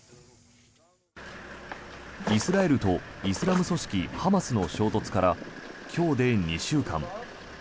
イスラエルとイスラム組織ハマスの衝突から今日で２週間。